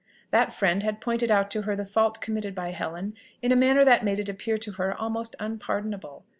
That friend had pointed out to her the fault committed by Helen in a manner that made it appear to her almost unpardonable.